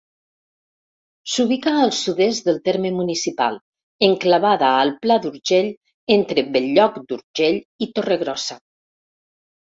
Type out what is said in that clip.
S'ubica al sud-est del terme municipal, enclavada al Pla d'Urgell, entre Bell-lloc d'Urgell i Torregrossa.